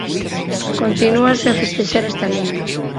Continúase a festexar esta lenda.